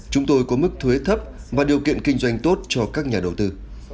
chúng tôi có mức thuế thấp và điều kiện kinh doanh tốt cho các nhà đầu tư